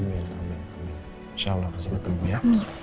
insya allah pasti ketemu ya